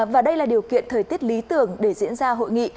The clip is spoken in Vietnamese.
và đây là điều kiện thời tiết lý tưởng để diễn ra hội nghị